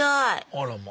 あらま。